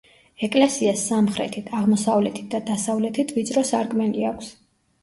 ეკლესიას სამხრეთით, აღმოსავლეთით და დასავლეთით ვიწრო სარკმელი აქვს.